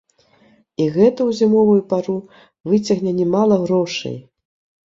І гэта ў зімовую пару выцягне нямала грошай.